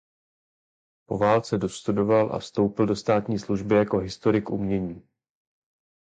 Po válce dostudoval a vstoupil do státní služby jako historik umění.